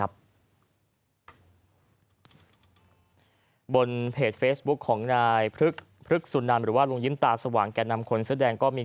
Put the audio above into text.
บนเพจเฟซบุ๊คของนายพฤกษุนนามหรือว่าลงยิ้มตาสว่างแก่นำคนเสียใจ